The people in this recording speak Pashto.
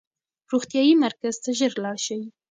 روغتیايي مرکز ته ژر لاړ شئ.